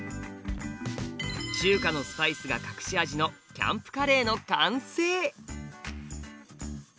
中華のスパイスが隠し味の「キャンプカレー」の完成。